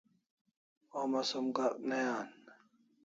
Homa som Gak ne an